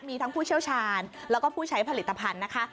มีทั้งผู้เชี่ยวชาญแล้วก็ผู้ใช้ผลิตภัณฑ์นะคะ